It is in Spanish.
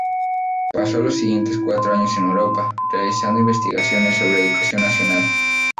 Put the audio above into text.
Pasó los siguientes cuatro años en Europa, realizando investigaciones sobre educación nacional.